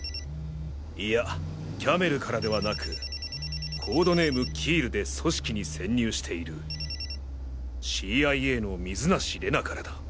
いやキャメルからではなくコードネームキールで組織に潜入しているＣＩＡの水無怜奈からだ。